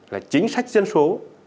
là chính sách dân số